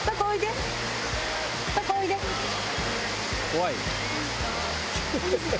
「怖い？」